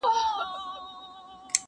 رسنۍ راپورونه جوړوي او خلک پرې خبري کوي.